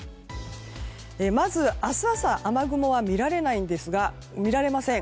まず明日朝雨雲は見られません。